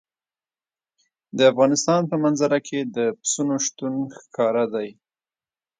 د افغانستان په منظره کې د پسونو شتون ښکاره دی.